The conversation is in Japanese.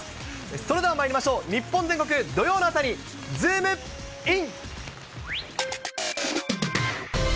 それではまいりましょう、日本全国土曜の朝にズームイン！！